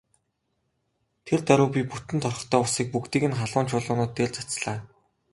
Тэр даруй би бүтэн торхтой усыг бүгдийг нь халуун чулуунууд дээр цацлаа.